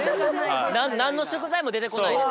何の食材も出てこないです